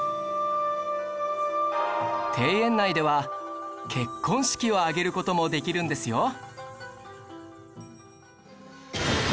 庭園内では結婚式を挙げる事もできるんですよ